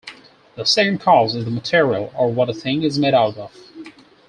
The second cause is the material, or what a thing is made out of.